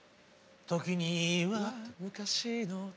「時には昔の」